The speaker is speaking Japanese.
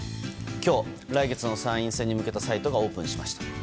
今日、来月の参院選に向けたサイトがオープンしました。